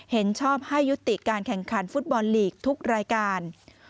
เห็นชอบให้ยุติการแข่งขันฟุตบอลลีกทุกรายการ